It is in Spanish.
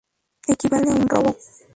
equivale a un robo